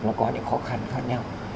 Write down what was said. nó có những khó khăn khác nhau